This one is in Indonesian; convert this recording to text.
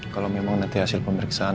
kalau memang nanti hasil pemeriksaan